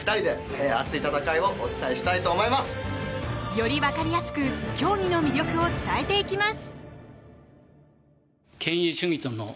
より分かりやすく競技の魅力を伝えていきます！